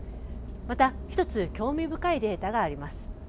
また１つ興味深いデータがあります。